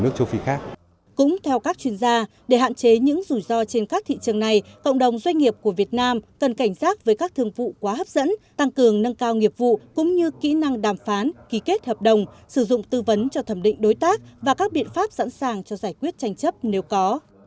cũng theo các chuyên gia để hạn chế những rủi ro trên các thị trường này cộng đồng doanh nghiệp của việt nam cần cảnh giác với các thương vụ quá hấp dẫn tăng cường nâng cao nghiệp vụ cũng như kỹ năng đàm phán ký kết hợp đồng sử dụng tư vấn cho thẩm định đối tác và các biện pháp sẵn sàng cho giải quyết tranh chấp nếu có